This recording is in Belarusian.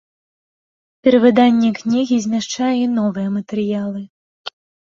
Перавыданне кнігі змяшчае і новыя матэрыялы.